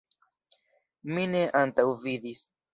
Mi ne antaŭvidis.